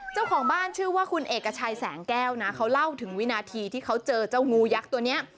เจ้าของบ้านชื่อว่าคุณเอกชัยแสงแก้วนะเขาเล่าถึงวินาทีที่เขาเจอเจ้างูยักษ์ตัวนี้